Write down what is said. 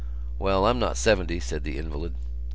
"Well, I'm not seventy," said the invalid.